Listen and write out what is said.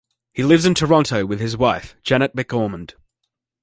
He lives in Toronto with his wife Janet McOrmond.